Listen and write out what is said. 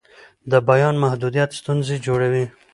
د بیان محدودیت ستونزې جوړوي